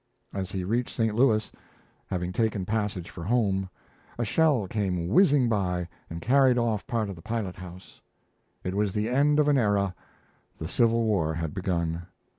As he reached St. Louis, having taken passage for home, a shell came whizzing by and carried off part of the pilot house. It was the end of an era: the Civil War had begun.